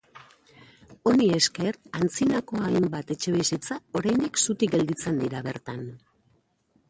Honi esker, antzinako hainbat etxebizitza oraindik zutik gelditzen dira bertan.